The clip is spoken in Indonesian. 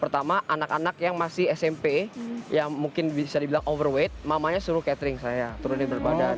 pertama anak anak yang masih smp yang mungkin bisa dibilang overweight mamanya suruh catering saya turunin berbadan